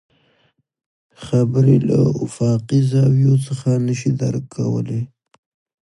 خبرې له افاقي زاويو څخه نه شي درک کولی.